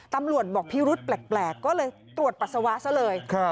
ตำรวจบอกพิรุษแปลกก็เลยตรวจปัสสาวะซะเลย